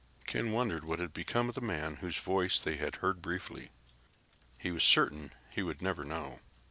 Ken wondered what had become of the man whose voice they had heard briefly. He was certain he would never know.